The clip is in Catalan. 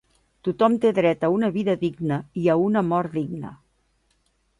Tothom té dret a una vida digna i a una mort digna.